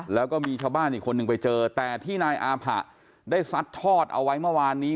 แล้วก็มีชาวบ้านอีกคนนึงไปเจอแต่ที่นายอาผะได้ซัดทอดเอาไว้เมื่อวานนี้